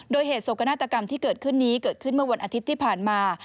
โดยเหตุโศกนาฏกรรมที่เกิดขึ้นนี้เกิดขึ้นเมื่อวันอาทิตย์ที่ผ่านมา